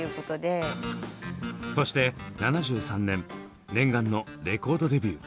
そして７３年念願のレコードデビュー。